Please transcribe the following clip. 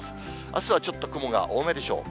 あすはちょっと雲が多めでしょう。